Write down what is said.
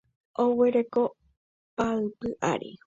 Oguereko paapy ary.